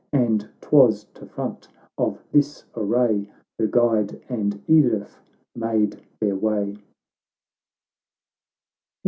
And 'twas to front of this array, Her guide and Edith made their way.